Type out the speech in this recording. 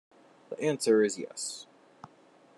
The answer is yes.